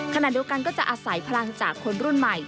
ขณะเดียวกันก็จะอาศัยพลังจากคนรุ่นใหม่